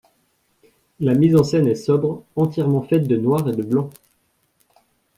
La mise en scène est sobre, entièrement faite de noir et de blanc.